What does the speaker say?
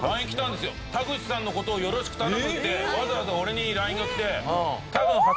田口さんの事をよろしく頼むってわざわざ俺にＬＩＮＥが来て。